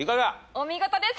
お見事です。